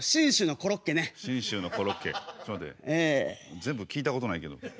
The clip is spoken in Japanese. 全部聞いたことないけど。